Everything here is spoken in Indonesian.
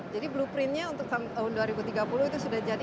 jadi blueprintnya untuk tahun dua ribu tiga puluh itu sudah jadi